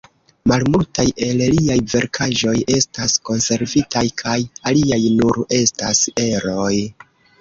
Malmultaj el liaj verkaĵoj estas konservitaj kaj aliaj nur estas eroj.